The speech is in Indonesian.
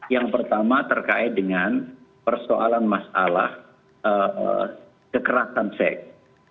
yang pertama terkait dengan persoalan masalah kekerasan seks